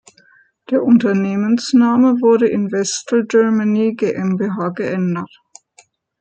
Der Unternehmensname wurde in Vestel Germany GmbH geändert.